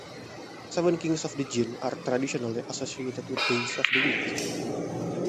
Seven kings of the Jinn are traditionally associated with days of the week.